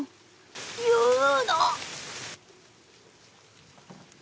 言うの！